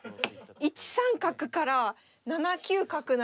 １三角から７九角成。